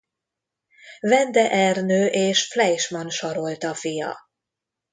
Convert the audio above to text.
Vende Ernő és Fleischmann Sarolta fia.